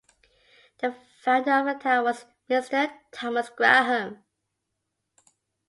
The founder of the town was Mr. Thomas Graham.